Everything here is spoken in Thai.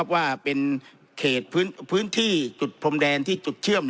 ว่าเป็นเขตพื้นที่จุดพรมแดนที่จุดเชื่อม